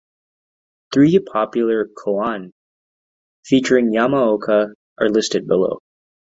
Three popular "koan" featuring Yamaoka are listed below.